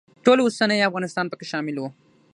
ټول اوسنی افغانستان پکې شامل و.